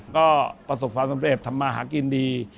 ก็ประสบความสำเร็จทำมาหากินดี